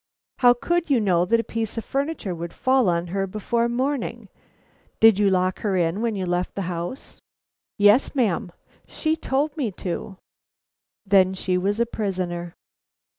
"How could you know that a piece of furniture would fall on her before morning. Did you lock her in when you left the house?" "Yes, ma'am. She told me to." Then she was a prisoner.